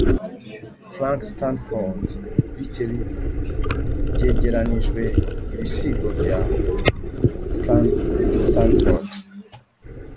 frank stanford, bite bibi: byegeranijwe ibisigo bya frank stanford